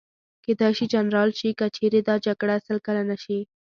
کېدای شي جنرال شي، که چېرې دا جګړه سل کلنه شي.